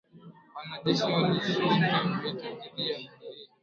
Wanajeshi walishinda vita dhidi ya magaidi